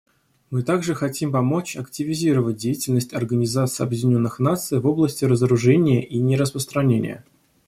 Мы также хотим помочь активизировать деятельность Организации Объединенных Наций в области разоружения и нераспространения.